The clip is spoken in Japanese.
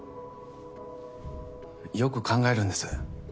よく考えるんです。